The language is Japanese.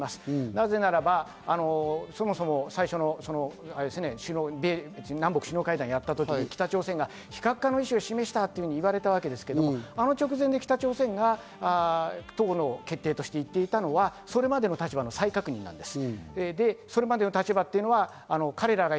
なぜならば、そもそも最初の南北首脳会談をやったとき北朝鮮は非核化の意思を示したと言われてますけれども、あの直前で北朝鮮が党の決定として言っていたのは、それまでの立場の再確認なんです。